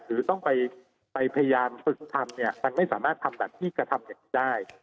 หรือต้องไปพยายามฝึกทำเนี่ยมันไม่สามารถทำแบบที่กระทำอย่างนี้ได้